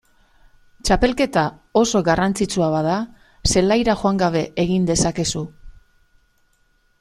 Txapelketa oso garrantzitsua bada zelaira joan gabe egin dezakezu.